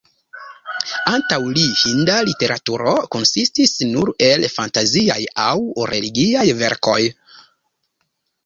Antaŭ li hinda literaturo konsistis nur el fantaziaj aŭ religiaj verkoj.